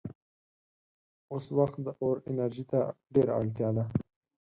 اوس وخت د اور انرژۍ ته ډېره اړتیا ده.